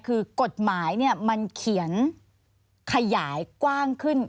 คือกฎหมายมันเขียนขยายกว้างขึ้น